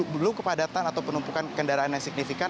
belum kepadatan atau penumpukan kendaraan yang signifikan